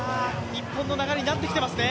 日本の流れになってきてますね。